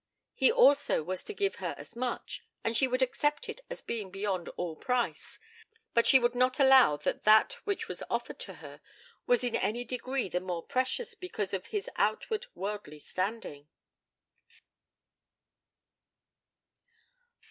He also was to give her as much, and she would accept it as being beyond all price. But she would not allow that that which was offered to her was in any degree the more precious because of his outward worldly standing.